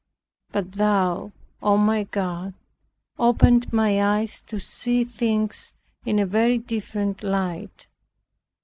But Thou, O my God, opened my eyes to see things in a very different light.